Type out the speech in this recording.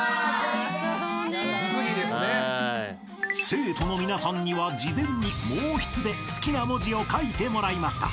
［生徒の皆さんには事前に毛筆で好きな文字を書いてもらいました］